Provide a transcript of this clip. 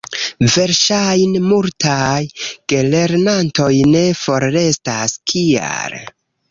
Verŝajne multaj gelernantoj ne forrestas. Kial?